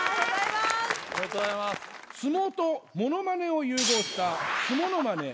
相撲と物まねを融合したすものまね。